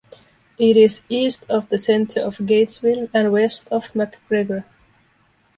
It is east of the center of Gatesville and west of McGregor.